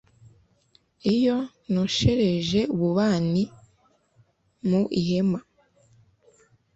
iyo noshereje ububani mu ihema